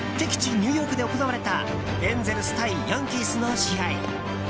ニューヨークで行われたエンゼルス対ヤンキースの試合。